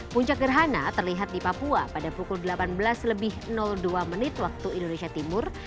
puncak gerhana terlihat di papua pada pukul delapan belas lebih dua menit waktu indonesia timur